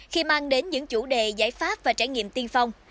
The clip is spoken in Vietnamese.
khi mang đến những chủ đề giải pháp và trải nghiệm tiên phong